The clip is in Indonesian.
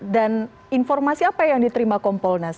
informasi apa yang diterima kompolnas